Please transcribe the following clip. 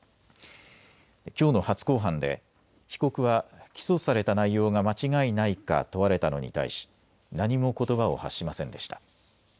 きょうの初公判で被告は起訴された内容が間違いないか問われたのに対し何もことばを発しませんでした。